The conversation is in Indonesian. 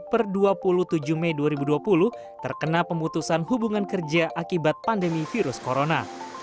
per dua puluh tujuh mei dua ribu dua puluh terkena pemutusan hubungan kerja akibat pandemi virus corona